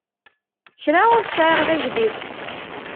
Kra ur t-sεiɣ d ajdid.